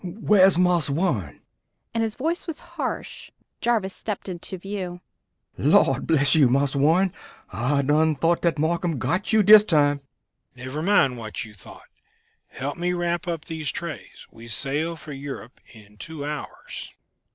"Whar's Marse Warren?" and his voice was hoarse. Jarvis stepped into view. "Lawd bless you, Marse Warren. I done thought dat Marcum got you dis time." "Never mind what you thought. Help me wrap up these trays. We sail for Europe in two hours."